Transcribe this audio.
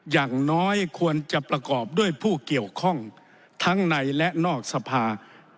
อย่างน้อยควรจะประกอบด้วยผู้เกี่ยวข้องทั้งในและนอกสภา